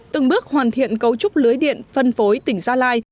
từng bước hoàn thiện cấu trúc lưới điện phân phối tỉnh gia lai